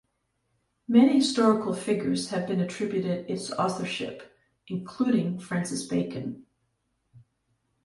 Many historical figures have been attributed its authorship, including Francis Bacon.